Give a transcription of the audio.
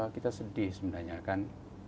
kita sedih sebenarnya kan